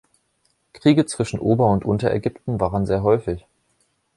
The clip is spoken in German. Kriege zwischen Ober- und Unterägypten waren sehr häufig.